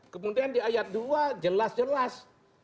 kemudian di ayat dua jelas jelas